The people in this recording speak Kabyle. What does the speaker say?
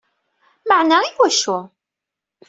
Meɛna iwacu?